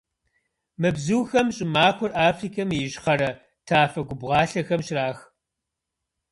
Мы бзухэм щӀымахуэр Африкэм и ищхъэрэ тафэ-губгъуалъэхэм щрах.